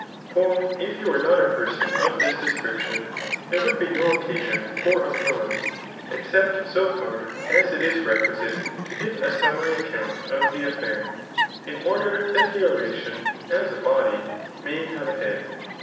For if he were not a person of this description, there would be no occasion for ii proem, except so far as it is requidte to give a summary account of the affair, in order that the oration, as a body, may have a head.